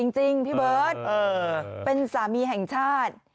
จริงพี่เบิร์ตเป็นสามีแห่งชาติ